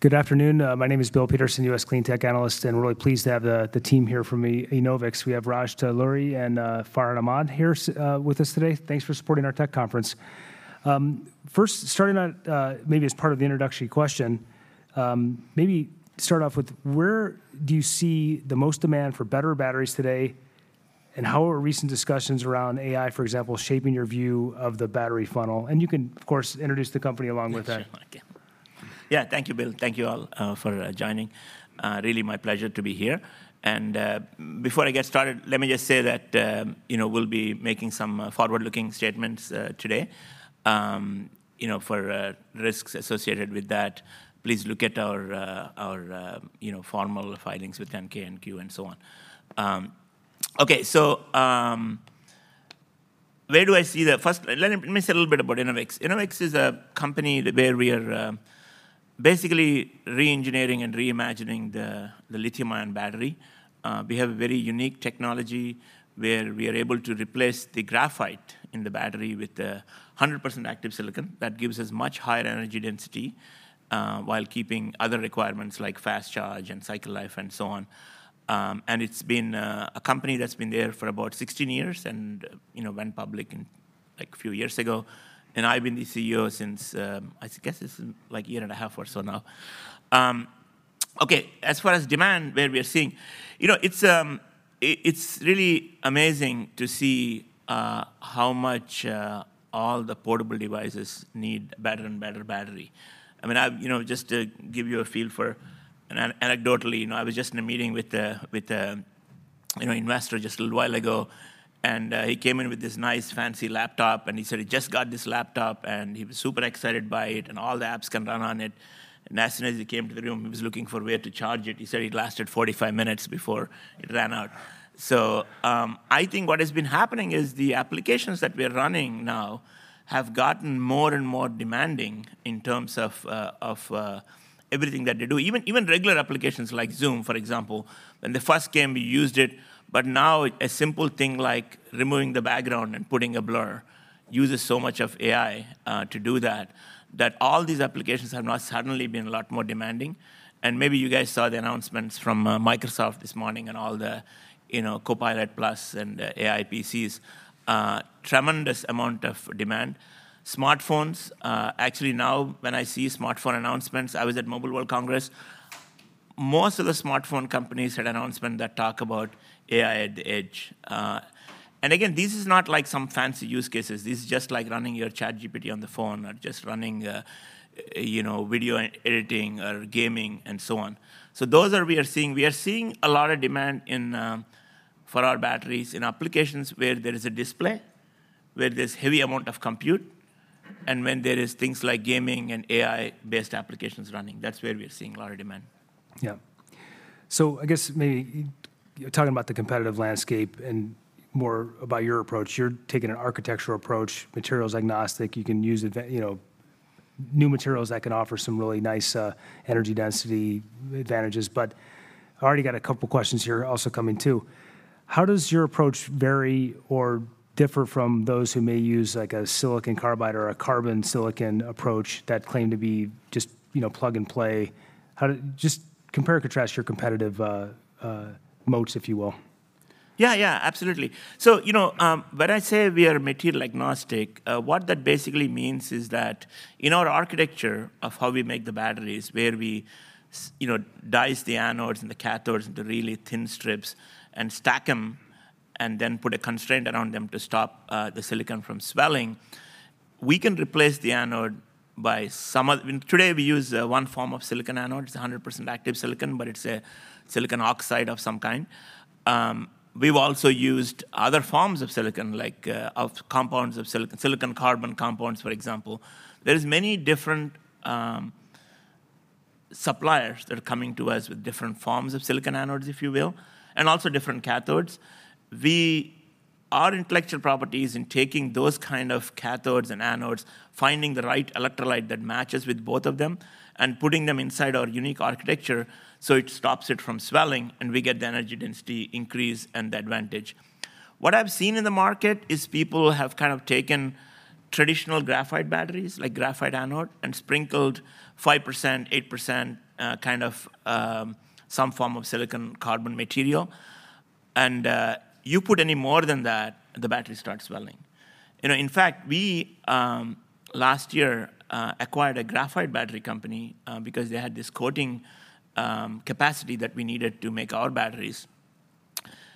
Good afternoon. My name is Bill Peterson, U.S. Cleantech analyst, and we're really pleased to have the team here from Enovix. We have Raj Talluri and Farhan Ahmad here with us today. Thanks for supporting our tech conference. First, starting out, maybe as part of the introductory question, maybe start off with where do you see the most demand for better batteries today? And how are recent discussions around AI, for example, shaping your view of the battery funnel? And you can, of course, introduce the company along with that. Yeah, sure. Okay. Yeah, thank you, Bill. Thank you all for joining. Really my pleasure to be here. And before I get started, let me just say that, you know, we'll be making some forward-looking statements today. You know, for risks associated with that, please look at our formal filings with the 10-K and 10-Q, and so on. Okay, so where do I see the... First, let me say a little bit about Enovix. Enovix is a company where we are basically re-engineering and reimagining the lithium-ion battery. We have a very unique technology, where we are able to replace the graphite in the battery with 100% active silicon. That gives us much higher energy density while keeping other requirements like fast charge and cycle life and so on. And it's been a company that's been there for about 16 years and, you know, went public in, like, few years ago. And I've been the CEO since, I guess it's, like, a year and a half or so now. Okay, as far as demand, where we are seeing. You know, it's, it, it's really amazing to see how much all the portable devices need better and better battery. I mean, I. You know, just to give you a feel for, and anecdotally, you know, I was just in a meeting with a, you know, investor just a little while ago, and he came in with this nice, fancy laptop, and he said he just got this laptop, and he was super excited by it, and all the apps can run on it. As soon as he came to the room, he was looking for a way to charge it. He said it lasted 45 minutes before it ran out. So, I think what has been happening is the applications that we're running now have gotten more and more demanding in terms of, of, everything that they do. Even, even regular applications like Zoom, for example. When they first came, we used it, but now a simple thing like removing the background and putting a blur uses so much of AI, to do that, that all these applications have now suddenly been a lot more demanding. And maybe you guys saw the announcements from, Microsoft this morning and all the, you know, Copilot+ and AI PCs. Tremendous amount of demand. Smartphones, actually, now, when I see smartphone announcements... I was at Mobile World Congress. Most of the smartphone companies had announcement that talk about AI at the edge. And again, this is not like some fancy use cases. This is just like running your ChatGPT on the phone or just running, you know, video editing or gaming, and so on. So those are we are seeing. We are seeing a lot of demand in, for our batteries in applications where there is a display, where there's heavy amount of compute, and when there is things like gaming and AI-based applications running. That's where we are seeing a lot of demand. Yeah. So I guess maybe you're talking about the competitive landscape and more about your approach. You're taking an architectural approach, materials agnostic. You can use advanced, you know, new materials that can offer some really nice, energy density advantages. But I already got a couple questions here also coming, too. How does your approach vary or differ from those who may use, like, a silicon carbide or a silicon carbon approach that claim to be just, you know, plug and play? How do—Just compare and contrast your competitive, moats, if you will. Yeah, yeah, absolutely. So, you know, when I say we are material agnostic, what that basically means is that in our architecture of how we make the batteries, where we you know, dice the anodes and the cathodes into really thin strips and stack them, and then put a constraint around them to stop the silicon from swelling, we can replace the anode by some other—Today, we use one form of silicon anode. It's 100% active silicon, but it's a silicon oxide of some kind. We've also used other forms of silicon, like compounds of silicon, silicon carbon compounds, for example. There is many different suppliers that are coming to us with different forms of silicon anodes, if you will, and also different cathodes. We... Our intellectual property is in taking those kind of cathodes and anodes, finding the right electrolyte that matches with both of them, and putting them inside our unique architecture, so it stops it from swelling, and we get the energy density increase and the advantage. What I've seen in the market is people have kind of taken traditional graphite batteries, like graphite anode, and sprinkled 5%, 8%, kind of, some form of silicon carbon material, and, you put any more than that, the battery starts swelling. You know, in fact, we, last year, acquired a graphite battery company, because they had this coating, capacity that we needed to make our batteries.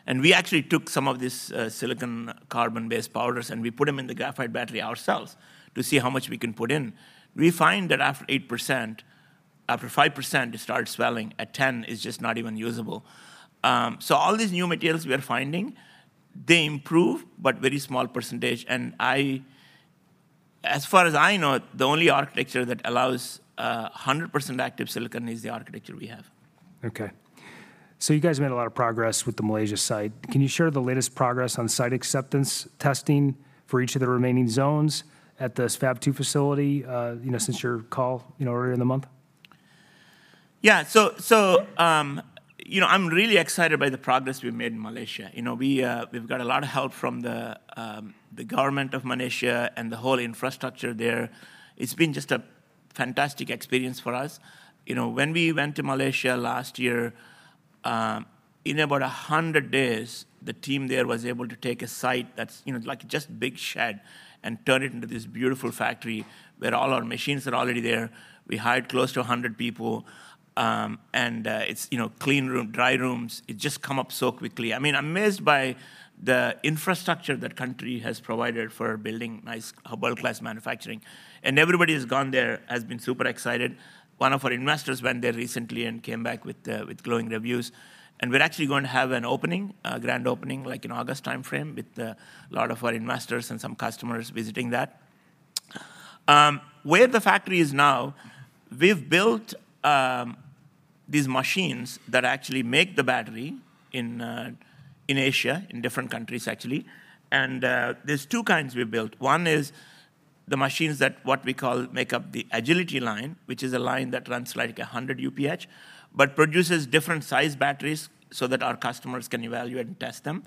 And we actually took some of this, silicon carbon-based powders, and we put them in the graphite battery ourselves to see how much we can put in. We find that after 8%... after 5%, it starts swelling. At 10% it's just not even usable. So all these new materials we are finding, they improve, but very small percentage. And as far as I know, the only architecture that allows a 100% active silicon is the architecture we have. Okay. So you guys made a lot of progress with the Malaysia site. Can you share the latest progress on site acceptance testing for each of the remaining zones at the Fab 2 facility, you know, since your call, you know, earlier in the month? Yeah. You know, I'm really excited by the progress we've made in Malaysia. You know, we've got a lot of help from the government of Malaysia and the whole infrastructure there. It's been just a fantastic experience for us. You know, when we went to Malaysia last year, in about 100 days, the team there was able to take a site that's, you know, like, just a big shed, and turn it into this beautiful factory, where all our machines are already there. We hired close to 100 people, and it's, you know, clean room, dry rooms. It just come up so quickly. I mean, I'm amazed by the infrastructure that country has provided for building nice world-class manufacturing, and everybody who's gone there has been super excited. One of our investors went there recently and came back with glowing reviews. And we're actually going to have an opening, a grand opening, like in August timeframe, with a lot of our investors and some customers visiting that. Where the factory is now, we've built these machines that actually make the battery in Asia, in different countries actually, and there's two kinds we built. One is the machines that what we call make up the Agility Line, which is a line that runs like 100 UPH, but produces different size batteries so that our customers can evaluate and test them.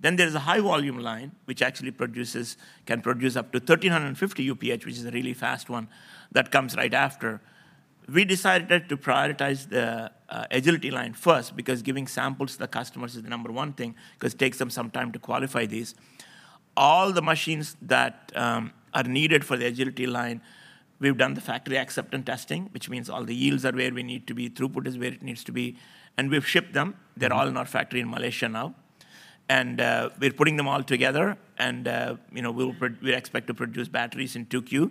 Then there's a High Volume Line, which actually produces, can produce up to 1,350 UPH, which is a really fast one that comes right after. We decided to prioritize the Agility Line first because giving samples to the customers is the number one thing, 'cause it takes them some time to qualify these. All the machines that are needed for the Agility Line, we've done the factory acceptance testing, which means all the yields are where we need to be, throughput is where it needs to be, and we've shipped them. They're all in our factory in Malaysia now. And we're putting them all together, and you know, we expect to produce batteries in Q2,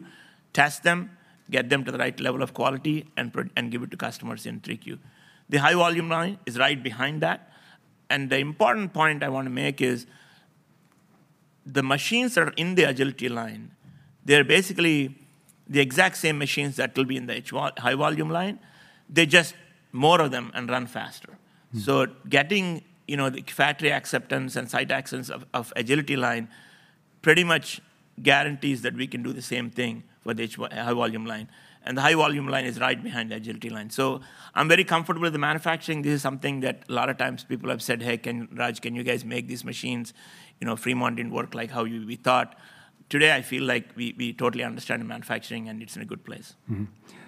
test them, get them to the right level of quality, and give it to customers in Q3. The High Volume Line is right behind that, and the important point I wanna make is, the machines that are in the Agility Line, they're basically the exact same machines that will be in the HV- High Volume Line. They're just more of them and run faster. Mm. So getting, you know, the factory acceptance and site acceptance of the Agility Line pretty much guarantees that we can do the same thing with the high-volume line, and the high volume line is right behind the Agility Line. So I'm very comfortable with the manufacturing. This is something that a lot of times people have said, "Hey, can Raj, can you guys make these machines? You know, Fremont didn't work like how you we thought." Today, I feel like we totally understand the manufacturing, and it's in a good place. Mm-hmm.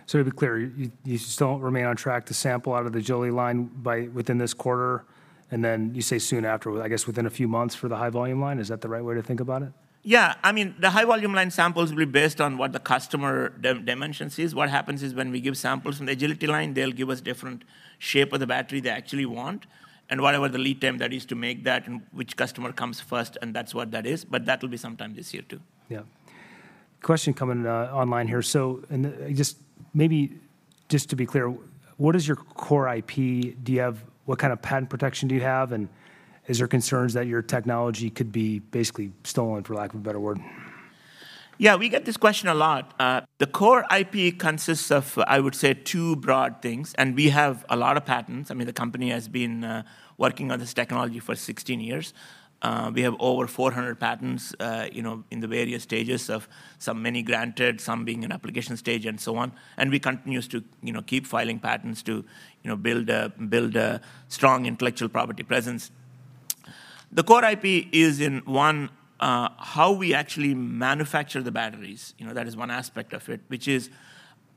So to be clear, you still remain on track to sample out of the Agility Line by within this quarter, and then you say soon after, well, I guess within a few months for the High Volume Line. Is that the right way to think about it? Yeah. I mean, the High Volume Line samples will be based on what the customer dimensions is. What happens is, when we give samples from the Agility Line, they'll give us different shape of the battery they actually want and whatever the lead time that is to make that and which customer comes first, and that's what that is, but that will be sometime this year, too. Yeah. Question coming online here. So, just maybe just to be clear, what is your core IP? Do you have-- What kind of patent protection do you have, and is there concerns that your technology could be basically stolen, for lack of a better word? Yeah, we get this question a lot. The core IP consists of, I would say, two broad things, and we have a lot of patents. I mean, the company has been working on this technology for 16 years. We have over 400 patents, you know, in the various stages of some many granted, some being in application stage, and so on. And we continues to, you know, keep filing patents to, you know, build a strong intellectual property presence. The core IP is in, one, how we actually manufacture the batteries. You know, that is one aspect of it, which is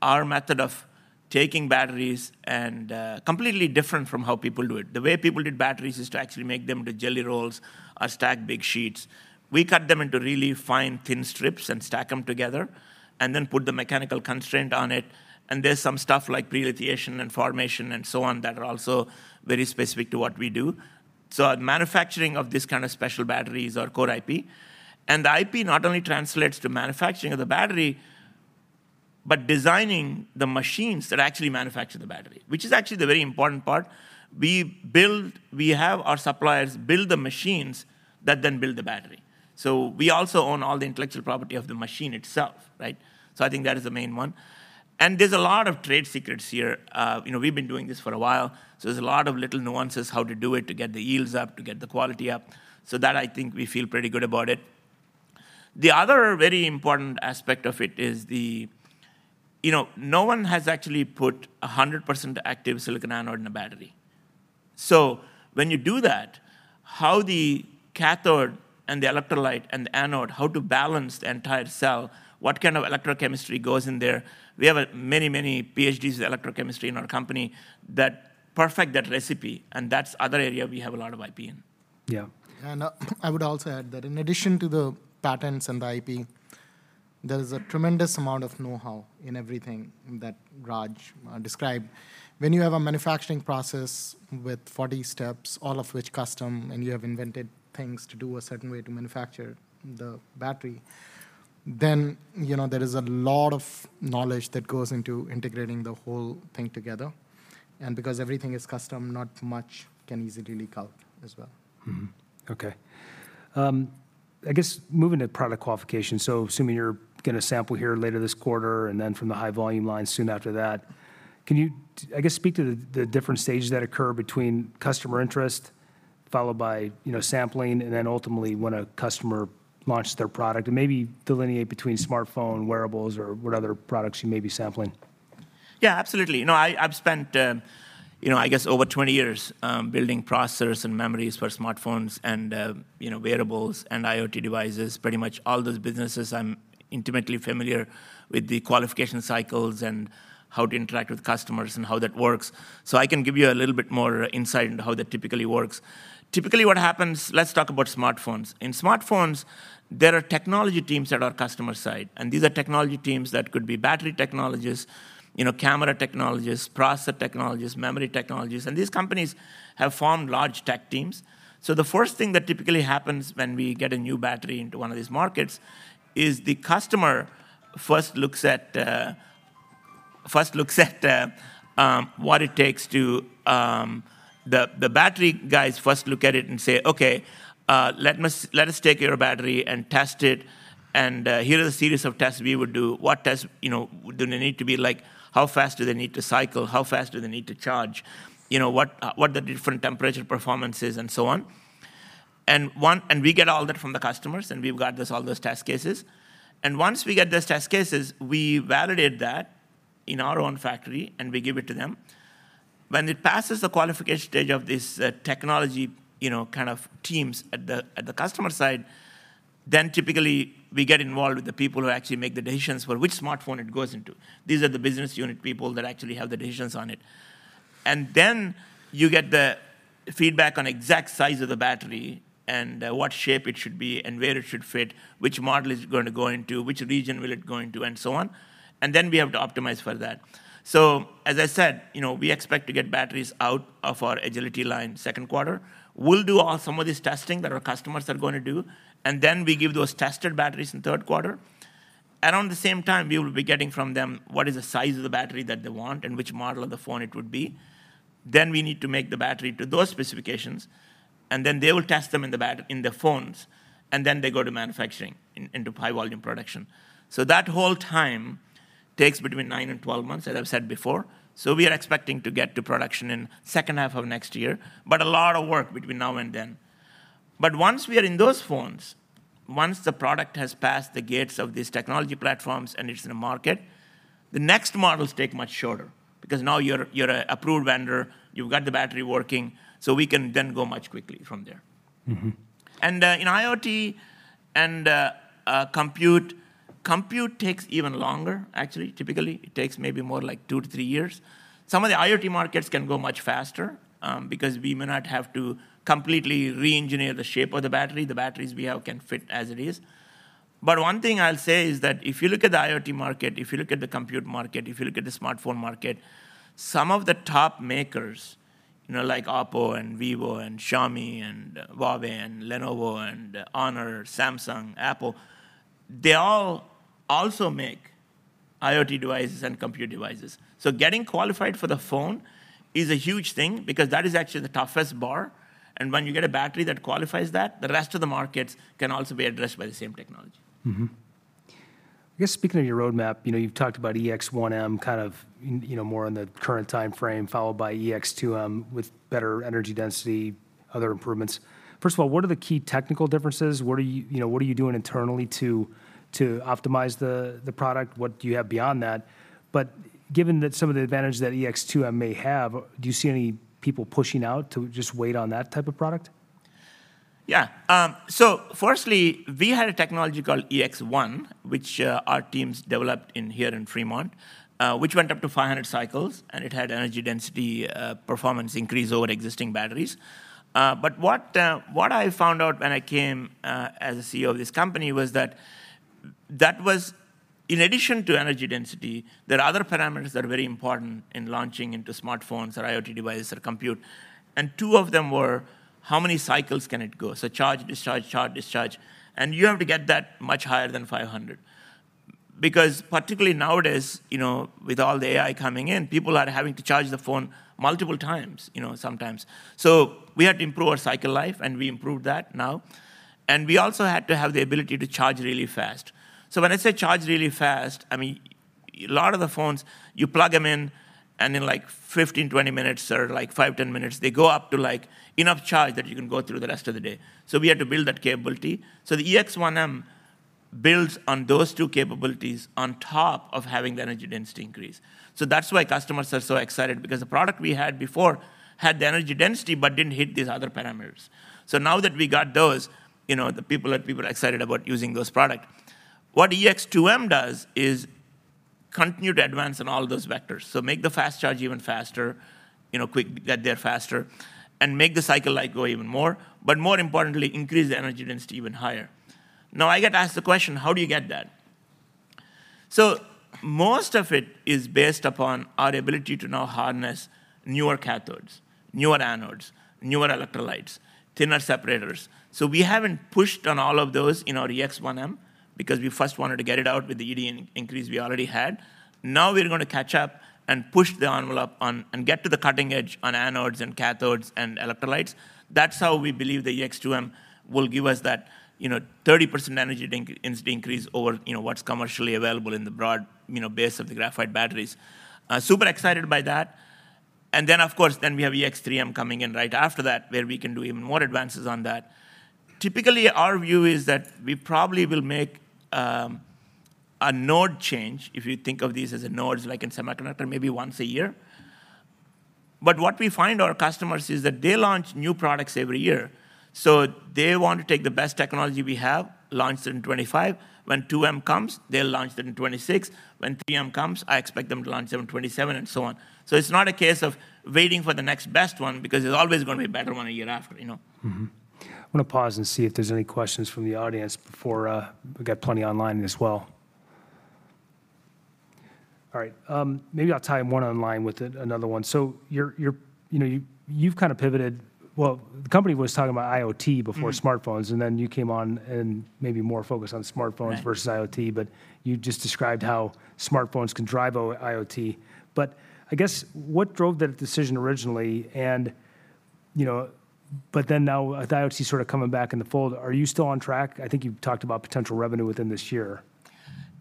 our method of taking batteries and completely different from how people do it. The way people did batteries is to actually make them into jelly rolls or stack big sheets. We cut them into really fine, thin strips and stack them together and then put the mechanical constraint on it, and there's some stuff like pre-lithiation and formation and so on that are also very specific to what we do. So our manufacturing of this kind of special batteries are core IP, and the IP not only translates to manufacturing of the battery, but designing the machines that actually manufacture the battery, which is actually the very important part. We have our suppliers build the machines that then build the battery. So we also own all the intellectual property of the machine itself, right? So I think that is the main one. And there's a lot of trade secrets here. You know, we've been doing this for a while, so there's a lot of little nuances, how to do it, to get the yields up, to get the quality up. So that I think we feel pretty good about it. The other very important aspect of it is the... You know, no one has actually put 100% active silicon anode in a battery. So when you do that, how the cathode and the electrolyte and the anode, how to balance the entire cell, what kind of electrochemistry goes in there? We have, many, many PhDs in electrochemistry in our company that perfect that recipe, and that's other area we have a lot of IP in. Yeah. I would also add that in addition to the patents and the IP, there is a tremendous amount of know-how in everything that Raj described. When you have a manufacturing process with 40 steps, all of which custom, and you have invented things to do a certain way to manufacture the battery, then, you know, there is a lot of knowledge that goes into integrating the whole thing together. And because everything is custom, not much can easily leak out as well. Mm-hmm. Okay. I guess moving to product qualification, so assuming you're gonna sample here later this quarter, and then from the high volume line soon after that, can you, I guess, speak to the different stages that occur between customer interest, followed by, you know, sampling, and then ultimately, when a customer launches their product, and maybe delineate between smartphone, wearables, or what other products you may be sampling. Yeah, absolutely. You know, I, I've spent, you know, I guess over 20 years, building processors and memories for smartphones and, you know, wearables and IoT devices. Pretty much all those businesses, I'm intimately familiar with the qualification cycles and how to interact with customers and how that works. So I can give you a little bit more insight into how that typically works. Typically, what happens. Let's talk about smartphones. In smartphones, there are technology teams at our customer side, and these are technology teams that could be battery technologists, you know, camera technologists, processor technologists, memory technologists, and these companies have formed large tech teams. So the first thing that typically happens when we get a new battery into one of these markets is the customer first looks at what it takes to... The battery guys first look at it and say, "Okay, let us take your battery and test it, and here are the series of tests we would do. What tests, you know, do they need to be like? How fast do they need to cycle? How fast do they need to charge? You know, what the different temperature performances and so on." And we get all that from the customers, and we've got all those test cases. And once we get those test cases, we validate that in our own factory, and we give it to them. When it passes the qualification stage of this technology, you know, kind of teams at the customer side, then typically, we get involved with the people who actually make the decisions for which smartphone it goes into. These are the business unit people that actually have the decisions on it. And then you get the feedback on exact size of the battery and what shape it should be and where it should fit, which model it's gonna go into, which region will it go into, and so on. And then we have to optimize for that. So, as I said, you know, we expect to get batteries out of our Agility Line second quarter. We'll do some of this testing that our customers are gonna do, and then we give those tested batteries in third quarter. Around the same time, we will be getting from them what is the size of the battery that they want and which model of the phone it would be. Then we need to make the battery to those specifications, and then they will test them in the phones, and then they go to manufacturing, into high volume production. So that whole time takes between nine and 12 months, as I've said before. So we are expecting to get to production in second half of next year, but a lot of work between now and then. But once we are in those phones, once the product has passed the gates of these technology platforms and it's in the market, the next models take much shorter, because now you're, you're a approved vendor, you've got the battery working, so we can then go much quickly from there. Mm-hmm. In IoT and compute, compute takes even longer, actually. Typically, it takes maybe more like two to three years. Some of the IoT markets can go much faster, because we may not have to completely re-engineer the shape of the battery. The batteries we have can fit as it is. But one thing I'll say is that if you look at the IoT market, if you look at the compute market, if you look at the smartphone market, some of the top makers, you know, like OPPO and Vivo and Xiaomi and Huawei and Lenovo and Honor, Samsung, Apple, they all also make IoT devices and compute devices. So getting qualified for the phone is a huge thing because that is actually the toughest bar, and when you get a battery that qualifies that, the rest of the markets can also be addressed by the same technology. Mm-hmm. I guess speaking of your roadmap, you know, you've talked about EX-1M, kind of, you know, more on the current time frame, followed by EX-2M with better energy density, other improvements. First of all, what are the key technical differences? What are you, you know, what are you doing internally to, to optimize the, the product? What do you have beyond that? But given that some of the advantages that EX-2M may have, do you see any people pushing out to just wait on that type of product? Yeah. So firstly, we had a technology called EX-1, which our teams developed here in Fremont, which went up to 500 cycles, and it had energy density performance increase over existing batteries. But what I found out when I came as a CEO of this company was that that was... In addition to energy density, there are other parameters that are very important in launching into smartphones or IoT devices or compute, and two of them were: How many cycles can it go? So charge, discharge, charge, discharge, and you have to get that much higher than 500. Because particularly nowadays, you know, with all the AI coming in, people are having to charge their phone multiple times, you know, sometimes. So we had to improve our cycle life, and we improved that now, and we also had to have the ability to charge really fast. So when I say charge really fast, I mean, a lot of the phones, you plug them in, and in, like, 15, 20 minutes or, like, five, 10 minutes, they go up to, like, enough charge that you can go through the rest of the day. So we had to build that capability. So the EX-1M builds on those two capabilities on top of having the energy density increase. So that's why customers are so excited, because the product we had before had the energy density but didn't hit these other parameters. So now that we got those, you know, the people are, people are excited about using this product. What EX-2M does is continue to advance on all those vectors. So make the fast charge even faster, you know, quick, get there faster, and make the cycle life go even more, but more importantly, increase the energy density even higher. Now, I get asked the question: How do you get that? So most of it is based upon our ability to now harness newer cathodes, newer anodes, newer electrolytes, thinner separators. So we haven't pushed on all of those in our EX-1M because we first wanted to get it out with the ED increase we already had. Now, we're gonna catch up and push the envelope on, and get to the cutting edge on anodes and cathodes and electrolytes. That's how we believe the EX-2M will give us that, you know, 30% energy density increase over, you know, what's commercially available in the broad, you know, base of the graphite batteries. Super excited by that.... Then, of course, then we have EX-3M coming in right after that, where we can do even more advances on that. Typically, our view is that we probably will make a node change, if you think of these as a node, like in semiconductor, maybe once a year. But what we find our customers is that they launch new products every year, so they want to take the best technology we have, launch it in 2025. When 2M comes, they'll launch it in 2026. When 3M comes, I expect them to launch it in 2027, and so on. So it's not a case of waiting for the next best one, because there's always gonna be a better one a year after, you know? Mm-hmm. I'm gonna pause and see if there's any questions from the audience before. We've got plenty online as well. All right, maybe I'll tie one online with another one. So you're, you know, you've kind of pivoted. Well, the company was talking about IoT before. Mm... smartphones, and then you came on and maybe more focused on smartphones- Right... versus IoT, but you just described how smartphones can drive IoT. But I guess, what drove that decision originally? And, you know, but then now with IoT sort of coming back in the fold, are you still on track? I think you've talked about potential revenue within this year.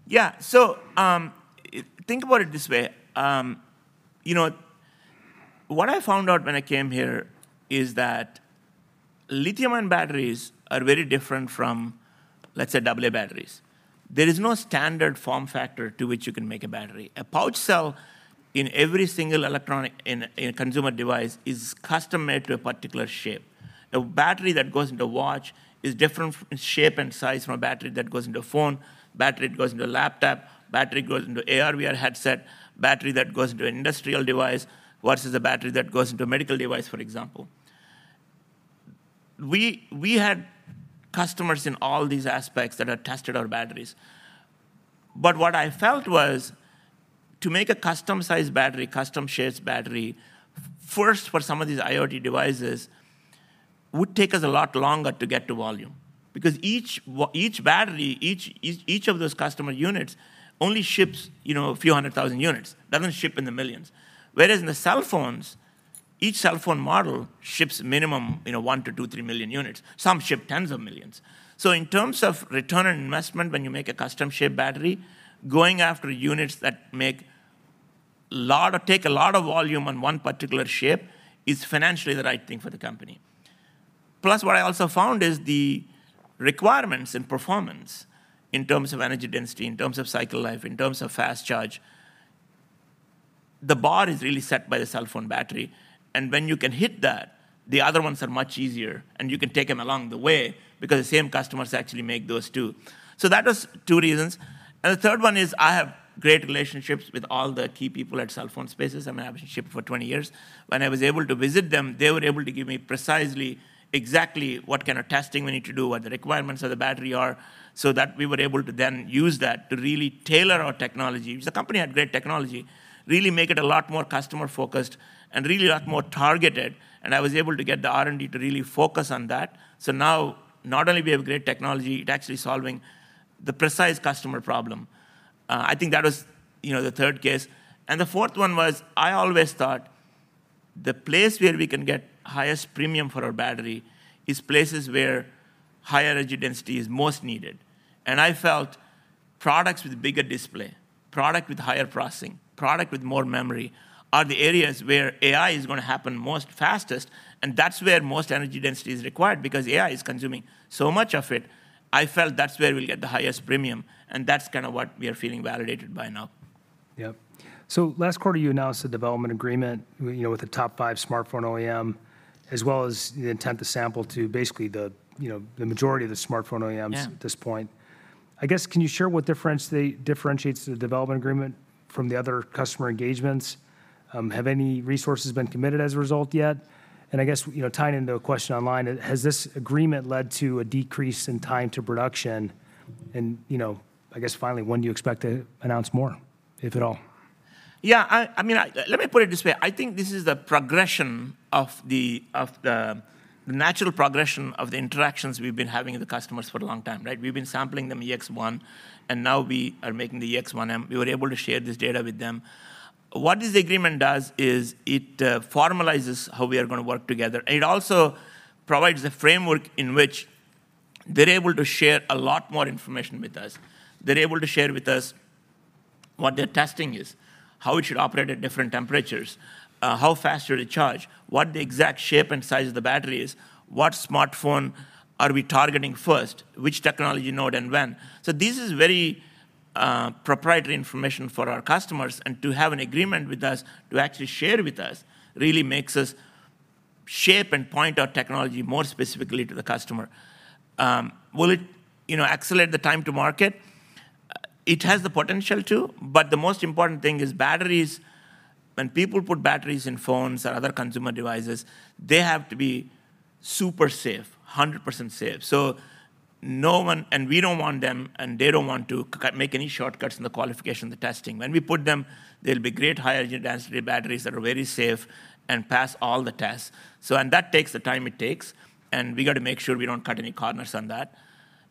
Yeah, so, think about it this way. You know, what I found out when I came here is that lithium-ion batteries are very different from, let's say, AA batteries. There is no standard form factor to which you can make a battery. A pouch cell in every single electronic in a consumer device is custom-made to a particular shape. A battery that goes into watch is different in shape and size from a battery that goes into a phone, battery that goes into a laptop, battery that goes into AR/VR headset, battery that goes into an industrial device, versus a battery that goes into a medical device, for example. We had customers in all these aspects that had tested our batteries. But what I felt was, to make a custom-sized battery, custom shaped battery, first for some of these IoT devices, would take us a lot longer to get to volume. Because each battery, each of those customer units only ships, you know, a few hundred thousand units. It doesn't ship in the millions. Whereas in the cell phones, each cell phone model ships minimum, you know, one to three million units. Some ship tens of millions. So in terms of return on investment, when you make a custom shape battery, going after units that take a lot of volume on one particular shape, is financially the right thing for the company. Plus, what I also found is the requirements in performance, in terms of energy density, in terms of cycle life, in terms of fast charge, the bar is really set by the cell phone battery, and when you can hit that, the other ones are much easier, and you can take them along the way, because the same customers actually make those, too. So that was two reasons, and the third one is, I have great relationships with all the key people at cell phone space. I've been in this space for 20 years. When I was able to visit them, they were able to give me precisely, exactly what kind of testing we need to do, what the requirements of the battery are, so that we were able to then use that to really tailor our technology, because the company had great technology, really make it a lot more customer-focused and really a lot more targeted, and I was able to get the R&D to really focus on that. So now, not only we have great technology, it's actually solving the precise customer problem. I think that was, you know, the third case. And the fourth one was, I always thought the place where we can get highest premium for our battery is places where higher energy density is most needed. I felt products with bigger display, product with higher processing, product with more memory, are the areas where AI is gonna happen most fastest, and that's where most energy density is required. Because AI is consuming so much of it, I felt that's where we'll get the highest premium, and that's kind of what we are feeling validated by now. Yeah. So last quarter, you announced a development agreement, you know, with the top 5 smartphone OEM, as well as the intent to sample to basically the, you know, the majority of the smartphone OEMs- Yeah... at this point. I guess, can you share what difference they-- differentiates the development agreement from the other customer engagements? Have any resources been committed as a result yet? And I guess, you know, tying into a question online, has this agreement led to a decrease in time to production? And, you know, I guess finally, when do you expect to announce more, if at all? Yeah, I mean, let me put it this way: I think this is the progression of the natural progression of the interactions we've been having with the customers for a long time, right? We've been sampling them EX-1, and now we are making the EX-1M. We were able to share this data with them. What this agreement does is it formalizes how we are gonna work together. And it also provides the framework in which they're able to share a lot more information with us. They're able to share with us what their testing is, how it should operate at different temperatures, how fast should it charge, what the exact shape and size of the battery is, what smartphone are we targeting first, which technology node, and when. So this is very, proprietary information for our customers, and to have an agreement with us, to actually share with us, really makes us shape and point our technology more specifically to the customer. Will it, you know, accelerate the time to market? It has the potential to, but the most important thing is batteries, when people put batteries in phones or other consumer devices, they have to be super safe, 100% safe. So no one... And we don't want them, and they don't want to make any shortcuts in the qualification, the testing. When we put them, they'll be great high-energy density batteries that are very safe and pass all the tests. So, and that takes the time it takes, and we got to make sure we don't cut any corners on that.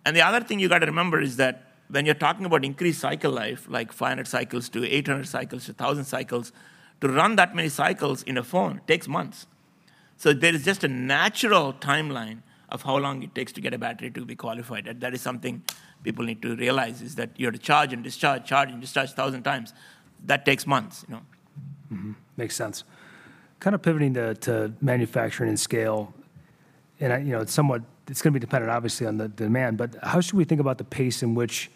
The other thing you got to remember is that when you're talking about increased cycle life, like 500 cycles to 800 cycles to 1,000 cycles, to run that many cycles in a phone takes months. So there is just a natural timeline of how long it takes to get a battery to be qualified, and that is something people need to realize, is that you have to charge and discharge, charge and discharge 1,000 times. That takes months, you know? Mm-hmm. Makes sense. Kind of pivoting to manufacturing and scale, and I, you know, it's somewhat—it's gonna be dependent obviously on the demand, but how should we think about the pace in which,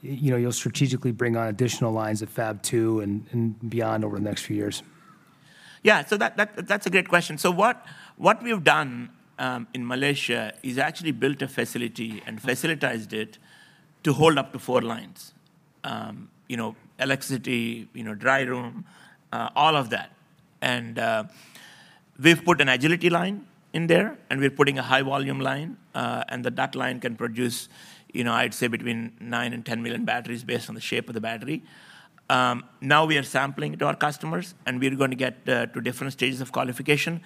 you know, you'll strategically bring on additional lines at Fab 2 and beyond over the next few years? Yeah, so that's a great question. So what we have done in Malaysia is actually built a facility and facilitated it to hold up to four lines. You know, electricity, you know, dry room, all of that. We've put an Agility Line in there, and we're putting a High Volume Line, and that line can produce, you know, I'd say between nine and 10 million batteries based on the shape of the battery. Now we are sampling to our customers, and we're gonna get to different stages of qualification.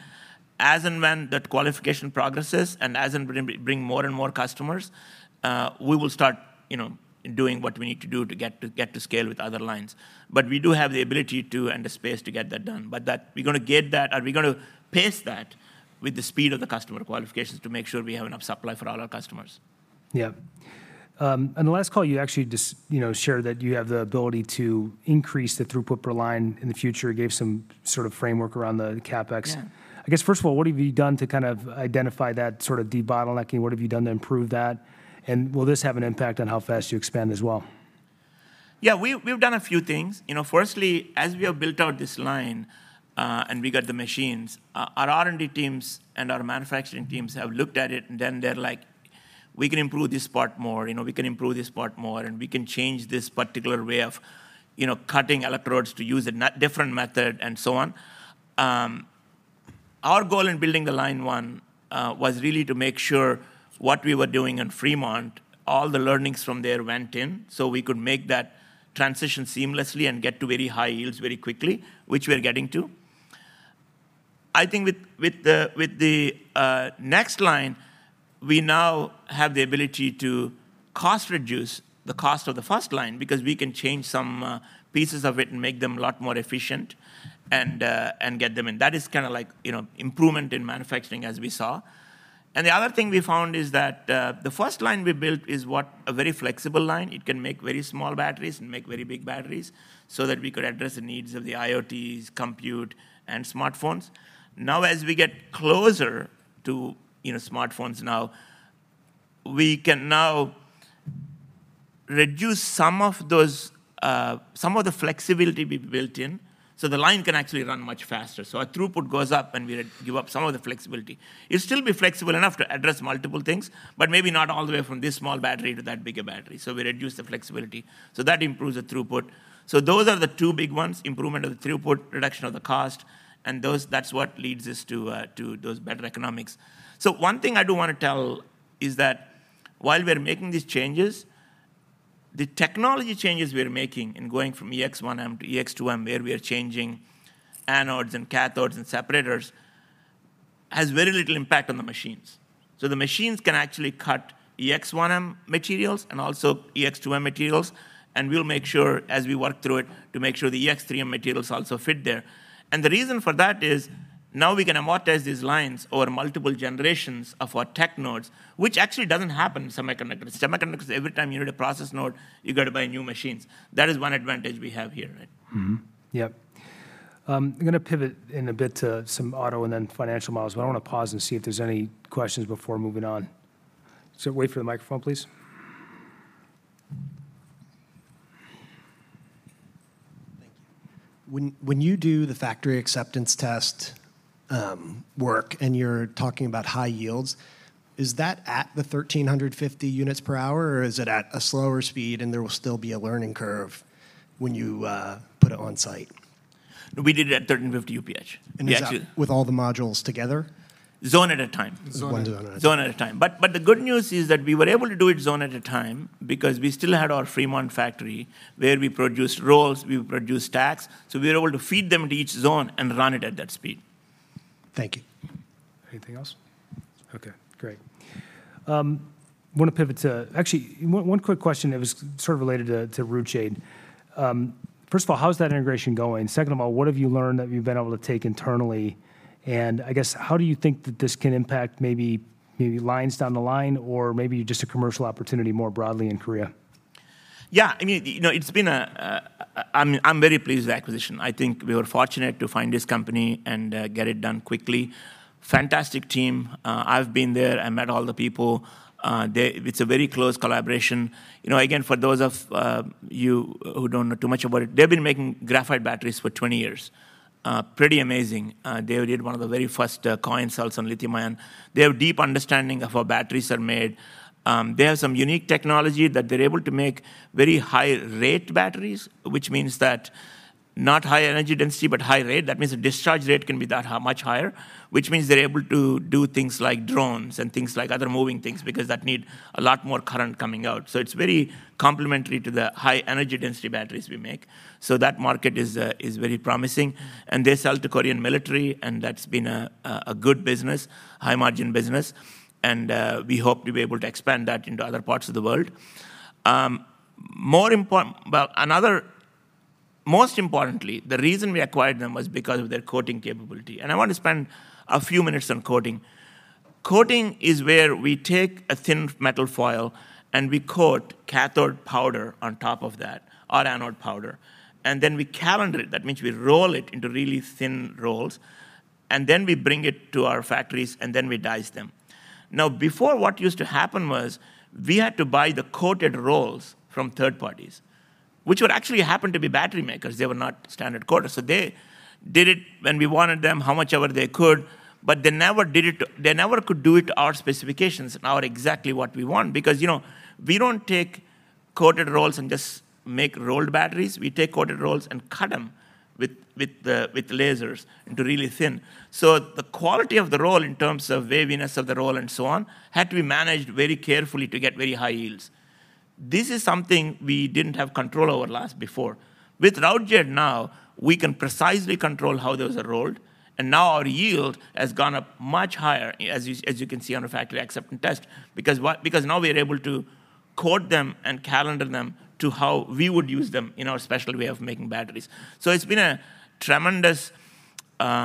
As and when that qualification progresses, and as and when we bring more and more customers, we will start, you know, doing what we need to do to get to scale with other lines. But we do have the ability to and the space to get that done. But we're gonna get that, and we're gonna pace that with the speed of the customer qualifications to make sure we have enough supply for all our customers. Yeah. On the last call, you actually just, you know, shared that you have the ability to increase the throughput per line in the future, gave some sort of framework around the CapEx. Yeah. I guess, first of all, what have you done to kind of identify that sort of debottlenecking? What have you done to improve that? Will this have an impact on how fast you expand as well? Yeah, we've done a few things. You know, firstly, as we have built out this line, and we got the machines, our R&D teams and our manufacturing teams have looked at it, and then they're like, "We can improve this part more, you know, we can improve this part more, and we can change this particular way of, you know, cutting electrodes to use a different method," and so on. Our goal in building the line one was really to make sure what we were doing in Fremont, all the learnings from there went in, so we could make that transition seamlessly and get to very high yields very quickly, which we are getting to. I think with the next line, we now have the ability to cost reduce the cost of the first line because we can change some pieces of it and make them a lot more efficient and get them. That is kinda like, you know, improvement in manufacturing as we saw. The other thing we found is that the first line we built is a very flexible line. It can make very small batteries and make very big batteries so that we could address the needs of the IoTs, compute, and smartphones. Now, as we get closer to, you know, smartphones now, we can now reduce some of the flexibility we built in, so the line can actually run much faster. So our throughput goes up, and we give up some of the flexibility. It'll still be flexible enough to address multiple things, but maybe not all the way from this small battery to that bigger battery. So we reduce the flexibility, so that improves the throughput. So those are the two big ones, improvement of the throughput, reduction of the cost, and that's what leads us to, to those better economics. So one thing I do wanna tell is that while we're making these changes, the technology changes we're making in going from EX-1M to EX-2M, where we are changing anodes and cathodes and separators, has very little impact on the machines. So the machines can actually cut EX-1M materials and also EX-2M materials, and we'll make sure as we work through it, to make sure the EX-3M materials also fit there. The reason for that is now we can amortize these lines over multiple generations of our tech nodes, which actually doesn't happen in semiconductors. Semiconductors, every time you need a process node, you've gotta buy new machines. That is one advantage we have here, right? Mm-hmm. Yep. I'm gonna pivot in a bit to some auto and then financial models, but I wanna pause and see if there's any questions before moving on. So wait for the microphone, please. Thank you. When you do the factory acceptance test and you're talking about high yields, is that at the 1,350 units per hour, or is it at a slower speed, and there will still be a learning curve when you put it on site? We did it at 1,350 UPH, the actual- Is that with all the modules together? Zone at a time. Zone- Zone at a time. But, but the good news is that we were able to do it zone at a time because we still had our Fremont factory, where we produced rolls, we produced stacks, so we were able to feed them to each zone and run it at that speed. Thank you. Anything else? Okay, great. Wanna pivot to... Actually, one quick question that was sort of related to Routejade. First of all, how's that integration going? Second of all, what have you learned that you've been able to take internally, and I guess, how do you think that this can impact maybe lines down the line or maybe just a commercial opportunity more broadly in Korea? Yeah, I mean, you know, it's been a. I'm very pleased with the acquisition. I think we were fortunate to find this company and get it done quickly. Fantastic team. I've been there. I met all the people. They. It's a very close collaboration. You know, again, for those of you who don't know too much about it, they've been making graphite batteries for 20 years. Pretty amazing. They did one of the very first coin cells on lithium-ion. They have deep understanding of how batteries are made. They have some unique technology that they're able to make very high-rate batteries, which means that not high energy density, but high rate. That means the discharge rate can be that high, much higher, which means they're able to do things like drones and things like other moving things, because that need a lot more current coming out. So it's very complementary to the high-energy density batteries we make. So that market is very promising. And they sell to Korean military, and that's been a good business, high-margin business, and we hope to be able to expand that into other parts of the world. More important, well, another-... Most importantly, the reason we acquired them was because of their coating capability, and I wanna spend a few minutes on coating. Coating is where we take a thin metal foil, and we coat cathode powder on top of that, or anode powder, and then we calender it. That means we roll it into really thin rolls, and then we bring it to our factories, and then we dice them. Now, before, what used to happen was, we had to buy the coated rolls from third parties, which would actually happen to be battery makers. They were not standard coaters. So they did it when we wanted them, how much ever they could, but they never could do it to our specifications and exactly what we want. Because, you know, we don't take coated rolls and just make rolled batteries. We take coated rolls and cut them with lasers into really thin. So the quality of the roll, in terms of waviness of the roll and so on, had to be managed very carefully to get very high yields. This is something we didn't have control over last before. With Routejade now, we can precisely control how those are rolled, and now our yield has gone up much higher, as you can see on the factory acceptance test. Because now we are able to coat them and calender them to how we would use them in our special way of making batteries. So it's been a tremendous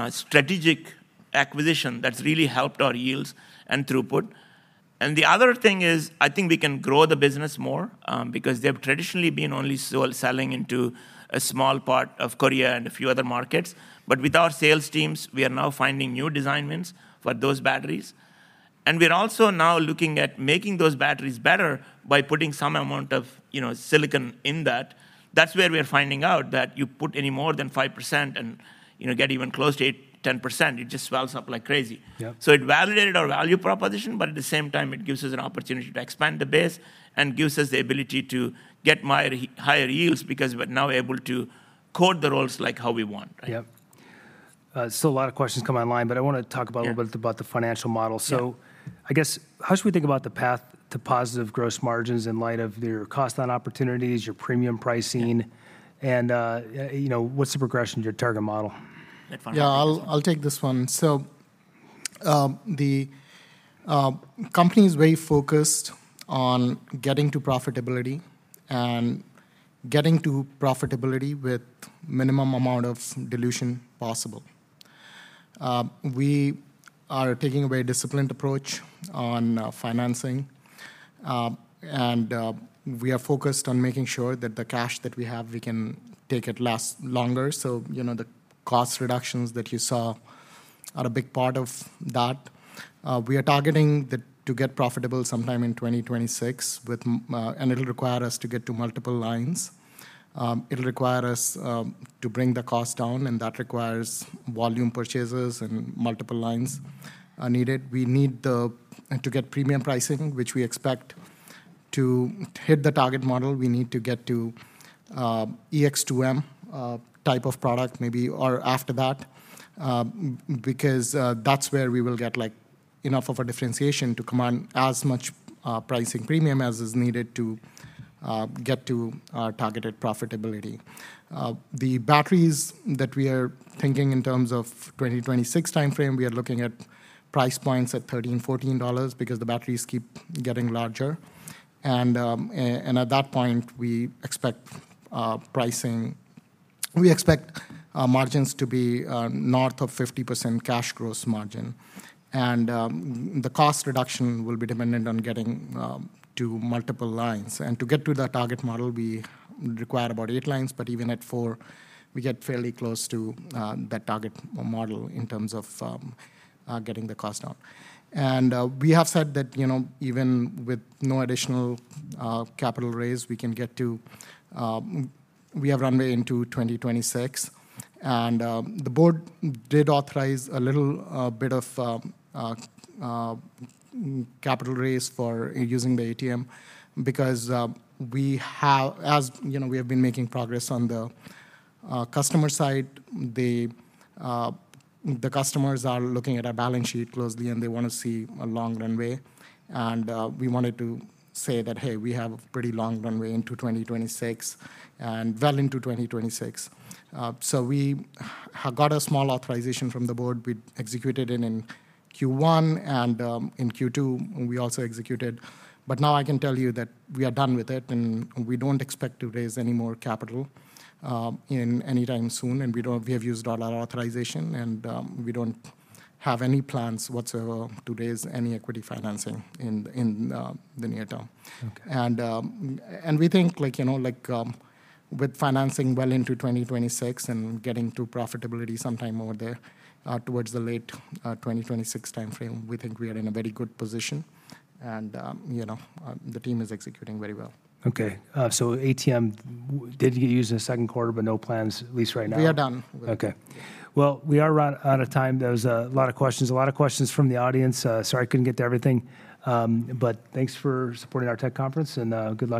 strategic acquisition that's really helped our yields and throughput. The other thing is, I think we can grow the business more, because they've traditionally been only sold, selling into a small part of Korea and a few other markets. But with our sales teams, we are now finding new design wins for those batteries, and we are also now looking at making those batteries better by putting some amount of, you know, silicon in that. That's where we are finding out that you put any more than 5% and, you know, get even close to 8%-10%, it just swells up like crazy. Yeah. So it validated our value proposition, but at the same time, it gives us an opportunity to expand the base and gives us the ability to get higher, higher yields because we're now able to coat the rolls like how we want. Yeah. Still a lot of questions come online, but I wanna talk about- Yeah... a little bit about the financial model. Yeah. I guess, how should we think about the path to positive gross margins in light of your cost-down opportunities, your premium pricing?... and, you know, what's the progression to your target model? Yeah, I'll take this one. So, the company is very focused on getting to profitability and getting to profitability with minimum amount of dilution possible. We are taking a very disciplined approach on financing, and we are focused on making sure that the cash that we have, we can make it last longer. So, you know, the cost reductions that you saw are a big part of that. We are targeting to get profitable sometime in 2026. And it'll require us to get to multiple lines. It'll require us to bring the cost down, and that requires volume purchases and multiple lines are needed. We need to get premium pricing, which we expect to hit the target model, we need to get to EX-2M type of product, maybe or after that, because that's where we will get, like, enough of a differentiation to command as much pricing premium as is needed to get to our targeted profitability. The batteries that we are thinking in terms of 2026 time frame, we are looking at price points at $13-$14 because the batteries keep getting larger. And at that point, we expect pricing. We expect margins to be north of 50% cash gross margin. And the cost reduction will be dependent on getting to multiple lines. And to get to that target model, we require about eight lines, but even at four, we get fairly close to that target model in terms of getting the cost down. And we have said that, you know, even with no additional capital raise, we can get to, we have runway into 2026. And the board did authorize a little bit of capital raise for using the ATM because, as you know, we have been making progress on the customer side. The customers are looking at our balance sheet closely, and they wanna see a long runway. And we wanted to say that, "Hey, we have a pretty long runway into 2026, and well into 2026." So we got a small authorization from the board. We executed it in Q1, and in Q2, we also executed. But now I can tell you that we are done with it, and we don't expect to raise any more capital in any time soon. We have used all our authorization, and we don't have any plans whatsoever to raise any equity financing in the near term. Okay. And we think, like, you know, like, with financing well into 2026 and getting to profitability sometime over there, towards the late 2026 time frame, we think we are in a very good position and, you know, the team is executing very well. Okay, so ATM did get used in the second quarter, but no plans, at least right now? We are done. Okay. Well, we are run out of time. There was a lot of questions, a lot of questions from the audience. Sorry I couldn't get to everything, but thanks for supporting our tech conference, and good luck to you.